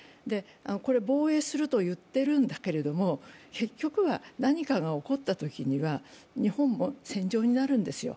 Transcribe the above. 防衛すると言ってるんだけども、結局は何かが起こったときには日本も戦場になるんですよ。